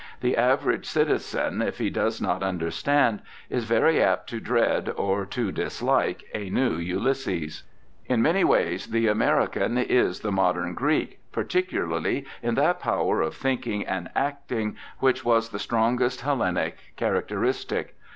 The average citizen, if he does not understand, is very apt to dread or to dislike a new Ulysses. Q2 228 BIOGRAPHICAL ESSAYS In many ways the American is the modern Greek, particularly in that power of thinking and acting, which was the strongest Hellenic characteristic.